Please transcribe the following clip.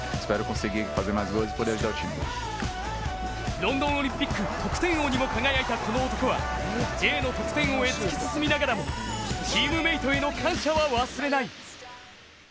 ロンドンオリンピック得点王にも輝いたこの男はＪの得点王へ突き進みながらもチームメートへの感謝は忘れない。